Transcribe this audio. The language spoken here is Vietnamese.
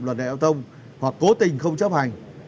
luật đại giao thông hoặc cố tình không chấp hành